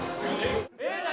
何？